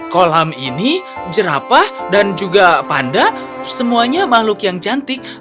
kolam ini jerapah dan juga panda semuanya makhluk yang cantik